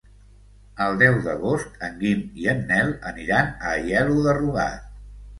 El deu d'agost en Guim i en Nel aniran a Aielo de Rugat.